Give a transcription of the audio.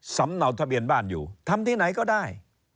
สำเนาทะเบียนบ้านอยู่ทำที่ไหนก็ได้